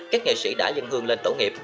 các nghệ sĩ đã dân hương lên tổ nghiệp